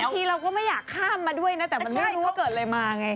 ทีเราก็ไม่อยากข้ามมาด้วยนะแต่มันไม่รู้ว่าเกิดอะไรมาไง